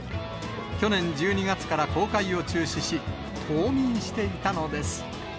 去年１２月から公開を中止し、冬眠していたのです。